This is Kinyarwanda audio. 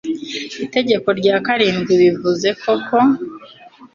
itegeko rya karindwi bivuze koko